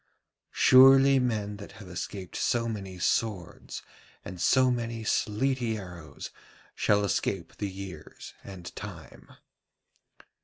Surely men that have escaped so many swords and so many sleety arrows shall escape the years and Time.'